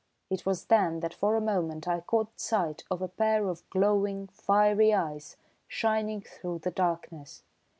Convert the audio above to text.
It was then that for a moment I caught sight of a pair of glowing, fiery eyes shining through the darkness.